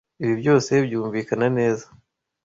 Ibi byose byumvikana neza.